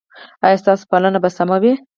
ایا ستاسو پالنه به سمه وي؟